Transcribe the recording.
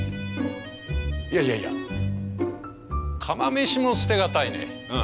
いやいやいや釜飯も捨てがたいね。